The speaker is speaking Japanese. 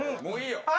もういいよ。